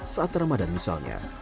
saat ramadan nisan